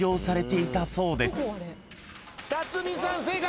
辰巳さん正解！